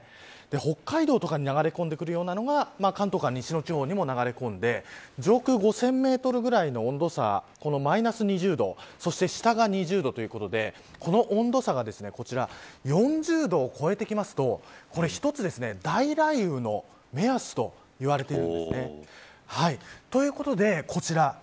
北海道とかに流れ込んでくるようなのが関東から西の地方にも流れ込んで上空５０００メートルぐらいの温度差このマイナス２０度そして下が２０度ということでこの温度差が４０度を超えてくると一つ、大雷雨の目安といわれているんですということで、こちら。